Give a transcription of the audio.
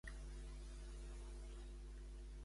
Alguns investigadors, què opinen sobre el mot Šalim?